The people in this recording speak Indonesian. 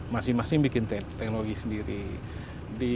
masing masing bikin teknologi sendiri